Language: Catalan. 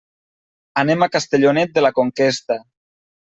Anem a Castellonet de la Conquesta.